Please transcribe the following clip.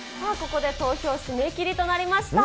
ここで投票締め切りとなりました。